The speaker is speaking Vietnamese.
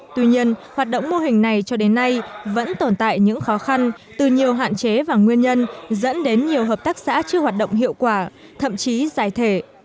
tuy nhiên hoạt động mô hình này cho đến nay vẫn tồn tại những khó khăn từ nhiều hạn chế và nguyên nhân dẫn đến nhiều hợp tác xã chưa hoạt động hiệu quả thậm chí giải thể